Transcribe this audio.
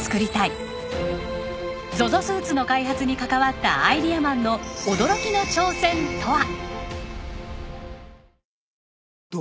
ＺＯＺＯＳＵＩＴの開発に関わったアイデアマンの驚きの挑戦とは。